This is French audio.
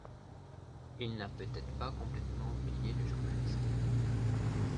Il n'a peut-être pas complètement oublié le journalisme.